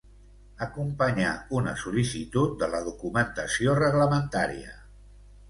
Acompanyar una sol·licitud de la documentació reglamentària.